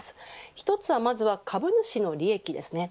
１つは、まずは株主の利益です。